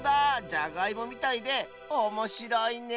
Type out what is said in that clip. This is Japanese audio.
じゃがいもみたいでおもしろいね